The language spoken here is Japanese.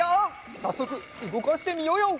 さっそくうごかしてみようよ！